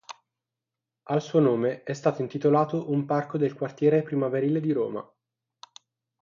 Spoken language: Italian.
Al suo nome è stato intitolato un parco, nel quartiere Primavalle di Roma.